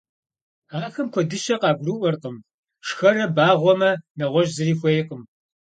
Ахэм куэдыщэ къагурыӀуэркъым, шхэрэ багъуэмэ, нэгъуэщӀ зыри хуейкъым.